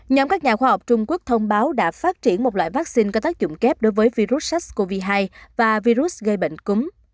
nhóm các nhà khoa học trung quốc thông báo đã phát triển một loại vaccine có tác dụng kép đối với virus sars cov hai và virus gây bệnh cúm